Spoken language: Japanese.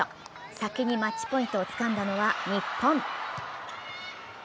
先にマッチポイントをつかんだのは日本。